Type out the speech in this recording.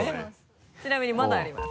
ちなみにまだあります。